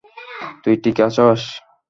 তুই ঠিক আছস?